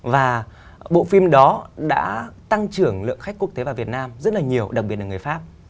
và bộ phim đó đã tăng trưởng lượng khách quốc tế vào việt nam rất là nhiều đặc biệt là người pháp